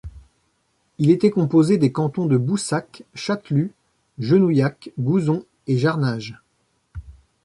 Il était composé des cantons de Boussac, Chatelus, Genouillac, Gouzon et Jarnages.